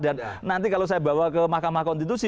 dan nanti kalau saya bawa ke mahkamah konstitusi